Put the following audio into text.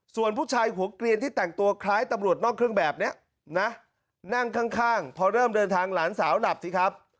ส่วนผู้ชายหัวเกลียนที่แต่งตัวคล้ายตำรวจนอกเครื่องแบบนี้นะนั่งข้างพอเริ่มเดินทางหลานสาวหลับสิครับ